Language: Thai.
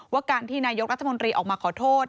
ว่าการที่นายกรัฐมนตรีออกมาขอโทษ